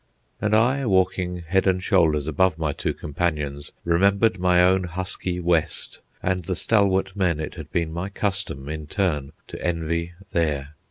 And I, walking head and shoulders above my two companions, remembered my own husky West, and the stalwart men it had been my custom, in turn, to envy there.